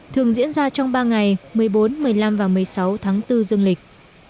thường diễn ra trong ba ngày một mươi bốn một mươi năm và một mươi sáu tháng bốn dương lịch